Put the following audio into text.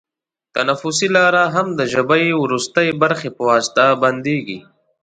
تنفسي لاره هم د ژبۍ وروستۍ برخې په واسطه بندېږي.